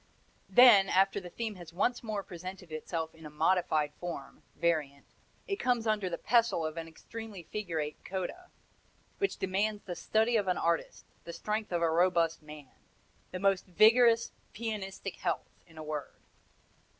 Then, after the theme has once more presented itself in a modified form variant it comes under the pestle of an extremely figurate coda, which demands the study of an artist, the strength of a robust man the most vigorous pianistic health, in a word!